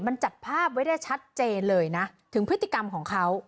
มันจับภาพไว้ได้ชัดเจนเลยนะถึงพฤติกรรมของเขา